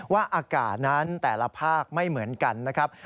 อากาศนั้นแต่ละภาคไม่เหมือนกันนะครับ